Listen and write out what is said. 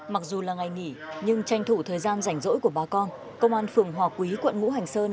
mặc dù là ngày nghỉ nhưng tranh thủ thời gian rảnh rỗi của bà con công an phường hòa quý quận ngũ hành sơn